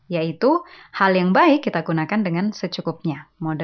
yaitu hal yang baik kita gunakan dengan secukupnya